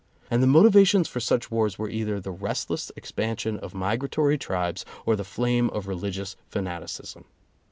And the motivations for such wars were either the restless expansion of migratory tribes or the flame of reli gious fanaticism.